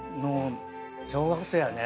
小学生やね。